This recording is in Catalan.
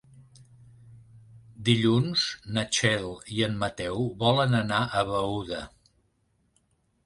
Dilluns na Txell i en Mateu volen anar a Beuda.